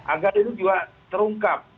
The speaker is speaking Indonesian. agar itu juga terungkap